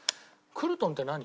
クルトンって何？